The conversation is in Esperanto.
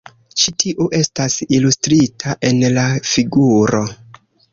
Ĉi tiu estas ilustrita en la figuro.